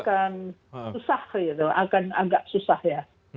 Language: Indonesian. ini akan susah akan agak susah ya